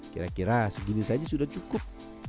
kira kira segini saja sudah cukup